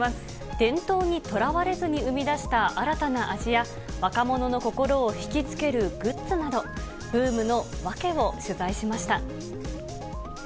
伝統にとらわれずに生み出した新たな味や、若者の心を引き付けるグッズなど、ブームの訳を取材しました。